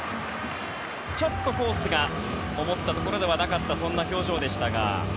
ちょっとコースが思ったところではなかったそんな表情でしたが。